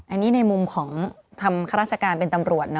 อันนี้ในมุมของทำข้าราชการเป็นตำรวจนะ